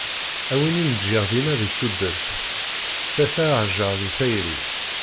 A wid i n-ǧǧiɣ dinna di tudert kkset-as aɛjar i tayri.